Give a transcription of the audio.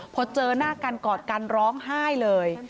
พอเจอหน้ากันกอดกันร้องไห้เลย